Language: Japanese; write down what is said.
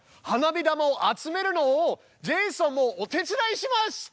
花火玉を集めるのをジェイソンもお手伝いします！